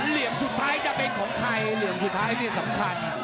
เหลวงสุดท้ายจะเป็นของไทยเหลวงสุดท้ายที่สำคัญ